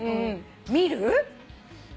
見る？」